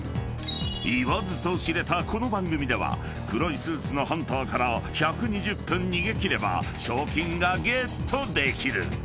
［言わずと知れたこの番組では黒いスーツのハンターから１２０分逃げ切れば賞金がゲットできる］